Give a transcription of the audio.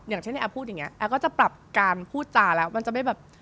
อย่างเช่นไอพูดอย่างนี้แอฟก็จะปรับการพูดจาแล้วมันจะไม่แบบ